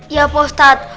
iya pak ustadz